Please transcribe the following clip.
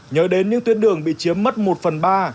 nhớ đến những tuyến đường bị chiếm mất một phần ba